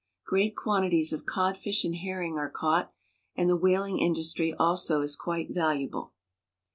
Great quantities of codfish and herring are caught, and the whaling industry also is quite valuable.